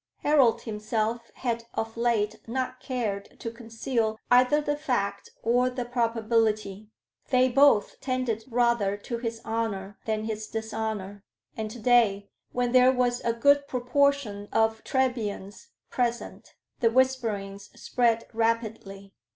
Harold himself had of late not cared to conceal either the fact or the probability: they both tended rather to his honor than his dishonor. And to day, when there was a good proportion of Trebians present, the whisperings spread rapidly.